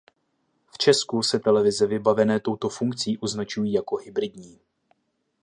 V Česku se televize vybavené touto funkcí označují jako hybridní.